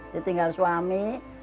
saya tinggal suami